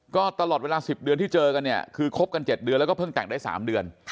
ก็ตลอดเวลา๑๐เดือนที่เจอกันก็คมกัน๗เดือนแล้วก็แต่งได้๓เดือน